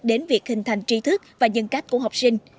đến việc hình thành trí thức và nhân cách của học sinh